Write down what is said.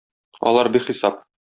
Алар бихисап.